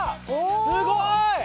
すごい！